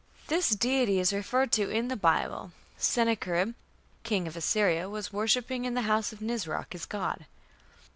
This deity is referred to in the Bible: "Sennacherib, king of Assyria, ... was worshipping in the house of Nisroch, his god".